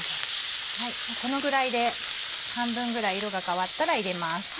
このぐらいで半分ぐらい色が変わったら入れます。